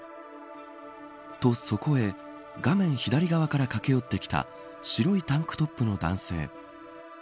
と、そこへ画面左側から駆け寄ってきた白いタンクトップの男性。